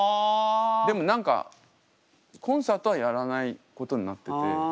でも何かコンサートはやらないことになってて。